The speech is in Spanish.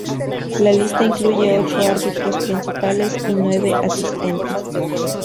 La lista incluye ocho árbitros principales y nueve asistentes.